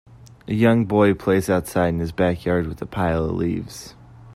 A young boy plays outside in his backyard with a pile of leaves